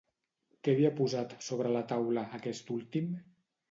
Què havia posat sobre la taula, aquest últim?